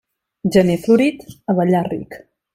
Gener florit, abellar ric.